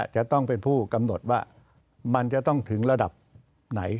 จะต้องเป็นผู้กำหนดว่ามันจะต้องถึงระดับไหน